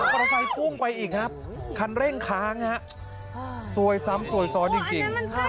เตอร์ไซคุ้งไปอีกครับคันเร่งค้างฮะซวยซ้ำซวยซ้อนจริง